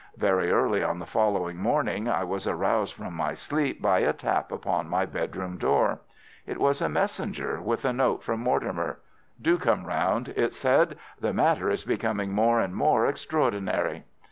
Very early on the following morning I was aroused from my sleep by a tap upon my bedroom door. It was a messenger with a note from Mortimer. "Do come round," it said; "the matter is becoming more and more extraordinary."